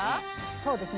そうですね